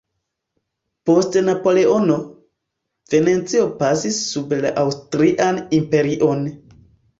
Post Napoleono, Venecio pasis sub la Aŭstrian Imperion.